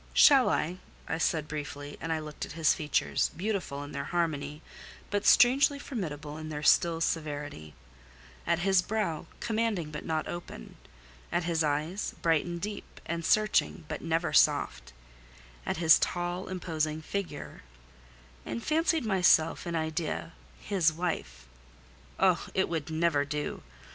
"Shall I?" I said briefly; and I looked at his features, beautiful in their harmony, but strangely formidable in their still severity; at his brow, commanding but not open; at his eyes, bright and deep and searching, but never soft; at his tall imposing figure; and fancied myself in idea his wife. Oh! it would never do!